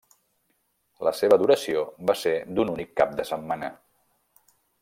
La seva duració va ser d'un únic cap de setmana.